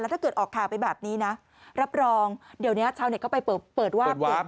แล้วถ้าเกิดออกข่าวไปแบบนี้นะรับรองเดี๋ยวนี้ชาวเน็ตเข้าไปเปิดวาบ